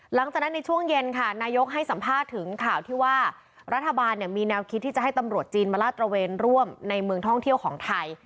หลังจากนั้นในช่วงเย็นค่ะนายกให้สัมภาษณ์ถึงข่าวที่ว่ารัฐบาลมีแนวคิดที่จะให้ตำรวจจีนมาลาดตระเวนร่วมในเมืองท่องเที่ยวของไทย